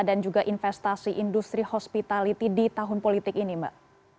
dan juga investasi industri hospitality di tahun politik ini mbak